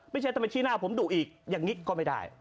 ไม่ใช่แปลว่าชี่หน้าผมดูอย่างนี้ก็ไม่ได้